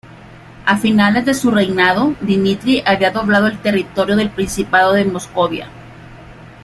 A finales de su reinado Dmitri había doblado el territorio del principado de Moscovia.